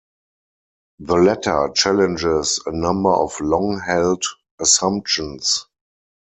The Letter challenges a number of long-held assumptions.